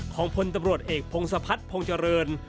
ของพลตำรวจเอกพงษภัทรพงจริง